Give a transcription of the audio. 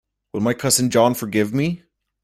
Will my cousin John forgive me?